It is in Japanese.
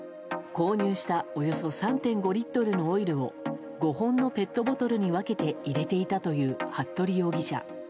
購入したおよそ３．５リットルのオイルを５本のペットボトルに分けて入れていたという服部容疑者。